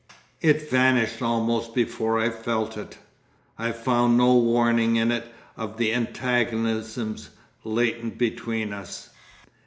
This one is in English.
_" It vanished almost before I felt it. I found no warning in it of the antagonisms latent between us.